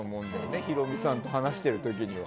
ヒロミさんと話している時には。